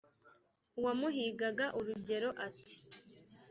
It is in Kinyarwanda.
uwamuhigaga urugero ati :